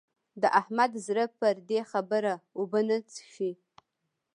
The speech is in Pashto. د احمد زړه پر دې خبره اوبه نه څښي.